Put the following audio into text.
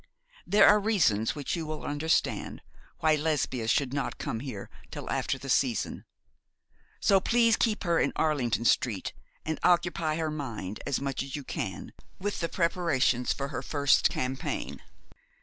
There are reasons, which you will understand, why Lesbia should not come here till after the season; so please keep her in Arlington Street, and occupy her mind as much as you can with the preparations for her first campaign.